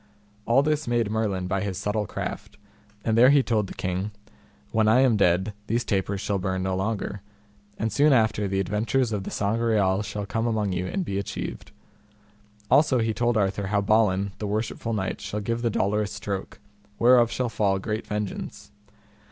All this made Merlin by his subtle craft, and there he told the king, When I am dead these tapers shall burn no longer, and soon after the adventures of the Sangreal shall come among you and be achieved. Also he told Arthur how Balin the worshipful knight shall give the dolorous stroke, whereof shall fall great vengeance.